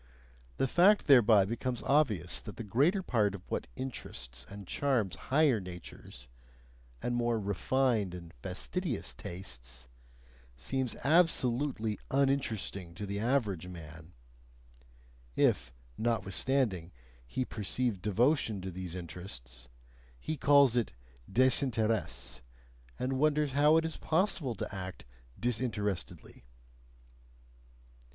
The fact thereby becomes obvious that the greater part of what interests and charms higher natures, and more refined and fastidious tastes, seems absolutely "uninteresting" to the average man if, notwithstanding, he perceive devotion to these interests, he calls it desinteresse, and wonders how it is possible to act "disinterestedly."